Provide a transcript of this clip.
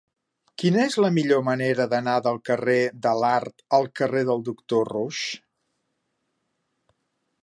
Quina és la millor manera d'anar del carrer de l'Art al carrer del Doctor Roux?